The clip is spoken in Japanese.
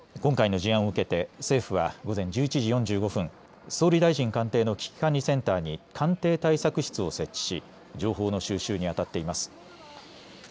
今回の事案を受けて政府は午前１１時４５分総理大臣官邸の危機管理センターに官邸対策室を設置し情報の収集に当たっています。